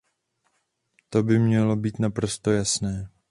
To by mělo být naprosto jasné.